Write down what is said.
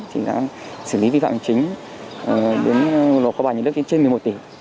thì đã xử lý vi phạm chính đến luật có bài nhận đức trên một mươi một tỉ